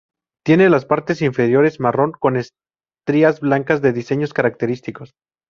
Tiene las partes inferiores marrón con estrías blancas de diseños característicos.